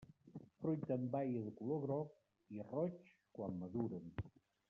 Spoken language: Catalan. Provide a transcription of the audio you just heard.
Fruit en baia de color groc i roig quan maduren.